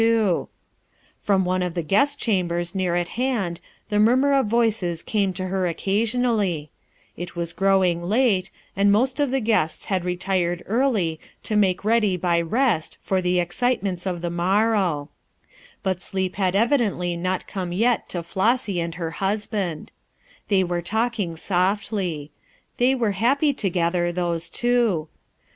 "TWO, AND TWO, AMD TWO 397 From one of the guest chambers near at hand the murmur of voices came to her occasional It was growing late, and most of the g^ ^ retired early to make ready by rest for the ex citements of the morrow; but sleep had evi dently not come yet to Flossy and her husband They were talking softly. They were happy together, those two.